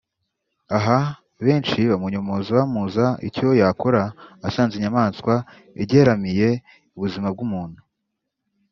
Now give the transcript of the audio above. Aha benshi bamunyomoza bamuza icyo yakora asanze inyamaswa igeramiye ubuzima bw’umuntu